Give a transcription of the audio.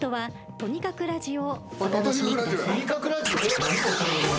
とにかくラジオ。